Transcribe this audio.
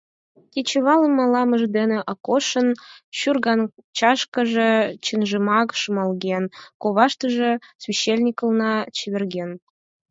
Кечывалым малымыж дене Акошын шӱргыначкаже чынжымак шымалген, коваштыже священникынла чеверген.